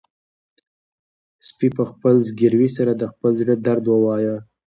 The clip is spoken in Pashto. سپي په خپل زګیروي سره د خپل زړه درد ووايه.